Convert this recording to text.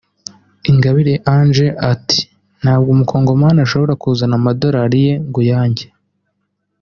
Ingabire Ange ati “Ntabwo umukongomani ashobora kuzana amadorali ye ngo uyanjye